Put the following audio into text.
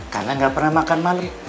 karena gak pernah makan malem